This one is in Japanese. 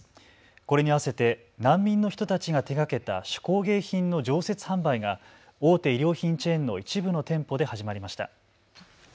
これに合わせて難民の人たちが手がけた手工芸品の常設販売が大手衣料品チェーンの一部の店舗で始まりました。